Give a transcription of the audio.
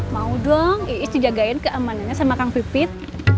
mau dong is dijagain keamanannya sama kang pipit